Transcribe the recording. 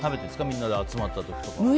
みんなで集まった時とか。